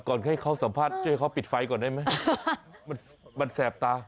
ก่อนให้เขาสัมภาษณ์เขาปิดไฟก่อนได้ไหมมันแสบตา